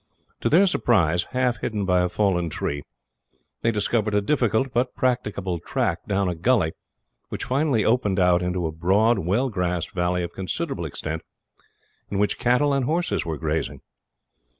To their surprise, half hidden by a fallen tree, they discovered a difficult but practicable track down a gully which finally opened out into a broad well grassed valley of considerable extent, in which cattle and horses were grazing.